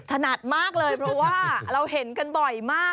ถนัดมากเลยเพราะว่าเราเห็นกันบ่อยมาก